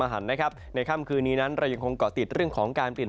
หันนะครับในค่ำคืนนี้นั้นเรายังคงเกาะติดเรื่องของการเปลี่ยน